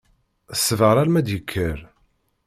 Ssbeṛ alma i d-yekker.